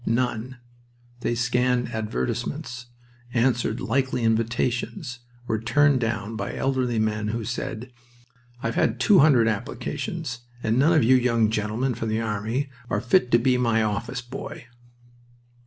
None. They scanned advertisements, answered likely invitations, were turned down by elderly men who said: "I've had two hundred applications. And none of you young gentlemen from the army are fit to be my office boy."